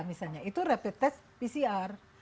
misalnya itu rapid test pcr